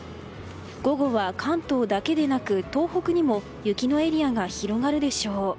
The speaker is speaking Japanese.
午後は関東だけでなく東北にも雪のエリアが広がるでしょう。